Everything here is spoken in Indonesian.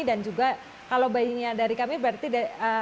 dan juga kalau bayinya dari kami berarti harus interview